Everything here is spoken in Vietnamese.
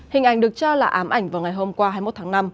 hình ảnh được cho là ám ảnh vào ngày hôm qua hai mươi một tháng năm